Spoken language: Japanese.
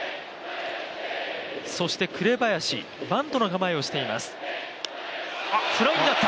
そして紅林バントの構えをしています。